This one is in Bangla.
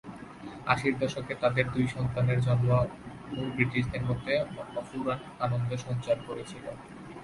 আশির দশকে তাঁদের দুই সন্তানের জন্মও ব্রিটিশদের মধ্যে অফুরান আনন্দের সঞ্চার করেছিল।